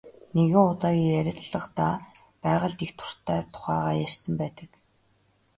Нэг удаагийн ярилцлагадаа байгальд их дуртай тухайгаа ярьсан байдаг.